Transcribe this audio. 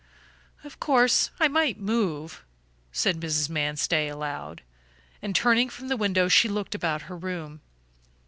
"Of course I might move," said Mrs. Manstey aloud, and turning from the window she looked about her room.